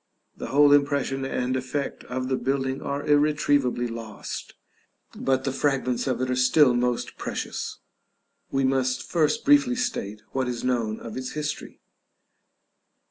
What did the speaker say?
The whole impression and effect of the building are irretrievably lost, but the fragments of it are still most precious. We must first briefly state what is known of its history.